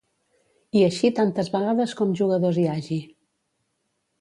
I així tantes vegades com jugadors hi hagi.